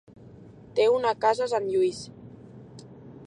Té una casa a Sant Lluís.